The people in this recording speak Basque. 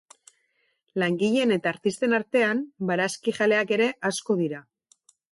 Langileen eta artisten artean barazkijaleak ere asko dira.